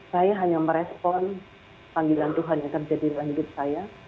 saya hanya merespon panggilan tuhan yang terjadi dalam hidup saya